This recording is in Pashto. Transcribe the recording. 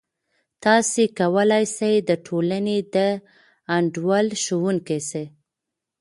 تاسې کولای سئ د ټولنې د انډول ښوونکی سئ.